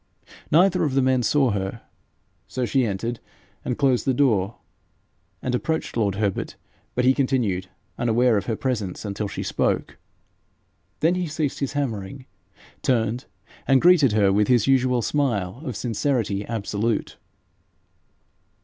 Neither of the men saw her. So she entered, closed the door, and approached lord Herbert, but he continued unaware of her presence until she spoke. Then he ceased his hammering, turned, and greeted her with his usual smile of sincerity absolute.